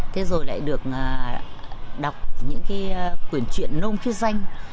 thế rồi lại được đọc những quyển chuyện nôn phía danh